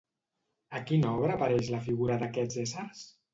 A quina obra apareix la figura d'aquests éssers?